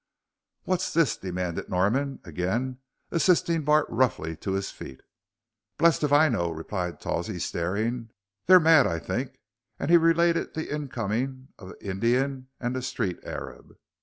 "What's this?" demanded Norman, again assisting Bart roughly to his feet. "Blest if I know," replied Tawsey, staring; "they're mad, I think," and he related the incoming of the Indian and the street arab.